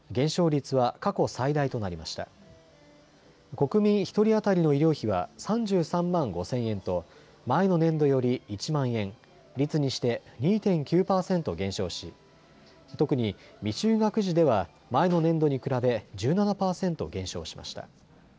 国民１人当たりの医療費は３３万５０００円と前の年度より１万円、率にして２．９％減少し特に未就学児では前の年度に比べ１７％減少しました。